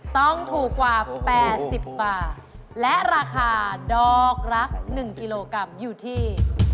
ต้องถูกกว่า๘๐บาทและราคาดอกรัก๑กิโลกรัมอยู่ที่